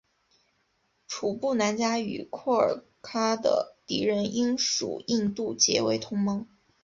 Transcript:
楚布南嘉与廓尔喀的敌人英属印度结为同盟。